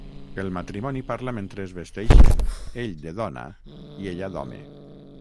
El matrimoni parla mentre es vesteixen, ell de dona i ella d'home.